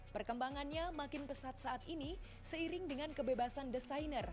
perkembangannya makin pesat saat ini seiring dengan kebebasan desainer